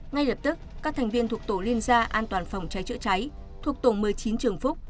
ngay lập tức các thành viên thuộc tổ liên gia an toàn phòng cháy chữa cháy thuộc tổng một mươi chín trường phúc